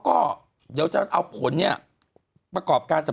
คุณหนุ่มกัญชัยได้เล่าใหญ่ใจความไปสักส่วนใหญ่แล้ว